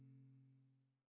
ii mami alda t emang salah apa